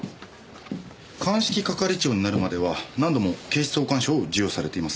鑑識係長になるまでは何度も警視総監賞を授与されています。